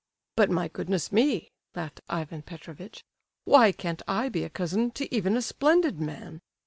"But, my goodness me," laughed Ivan Petrovitch, "why can't I be cousin to even a splendid man?"